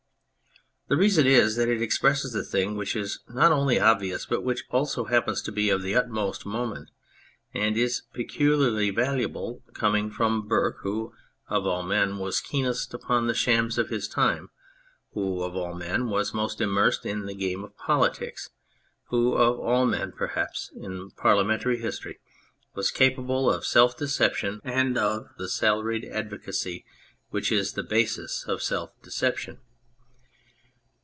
The reason is that it expresses a thing which is not only obvious, but which also happens to be of the utmost moment ; and it is peculiarly valuable coming from Burke, who of all men was keenest upon the shams of his time, who of all men was most immersed in the game of politics, who of all men, perhaps, in Parliamentary history was capable of self deception and of the salaried advocacy which is the basis of self deception.